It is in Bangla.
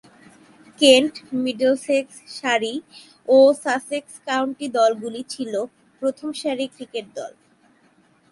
কেন্ট, মিডলসেক্স, সারি ও সাসেক্সের কাউন্টি দলগুলি ছিল প্রথম সারির ক্রিকেট দল।